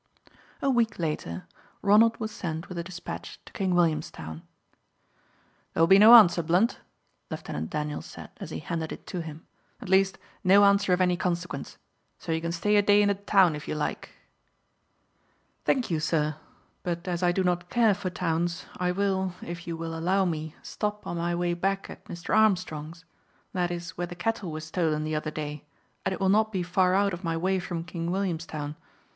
A week later, Ronald was sent with a despatch to King Williamstown. "There will be no answer, Blunt," Lieutenant Daniels said, as he handed it to him; "at least, no answer of any consequence. So you can stay a day in the town if you like." "Thank you, sir; but as I do not care for towns, I will, if you will allow me, stop on my way back at Mr. Armstrong's. That is where the cattle were stolen the other day, and it will not be far out of my way from King Williamstown.